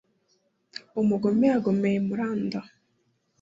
Umugome yagomeye i Muranda,